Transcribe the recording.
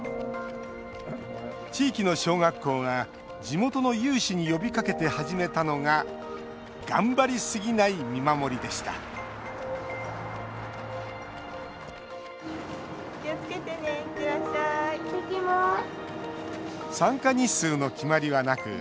地域の小学校が地元の有志に呼びかけて始めたのが「頑張りすぎない見守り」でしたいってきます。